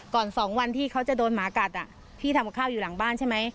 ๒วันที่เขาจะโดนหมากัดพี่ทำกับข้าวอยู่หลังบ้านใช่ไหม